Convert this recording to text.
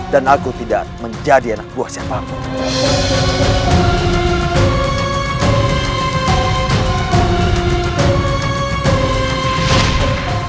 dan aku tidak menjadi anak buah siapapun